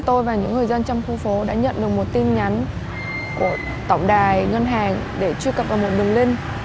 tôi và những người dân trong khu phố đã nhận được một tin nhắn của tổng đài ngân hàng để truy cập vào một đường link